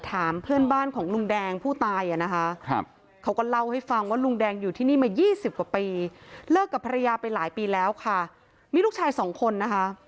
แต่มันก็ประกอบกันหลายอย่างสุดท้ายก็คือแบบใช่อะไรอย่างเงี้ยค่ะ